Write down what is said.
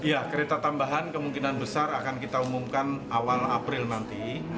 ya kereta tambahan kemungkinan besar akan kita umumkan awal april nanti